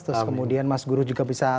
terus kemudian mas guru juga bisa